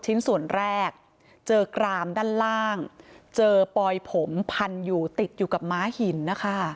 ชิ้นส่วนแรกเจอกรามด้านล่างเจอปลอยผมพันอยู่ติดอยู่กับม้าหินนะคะ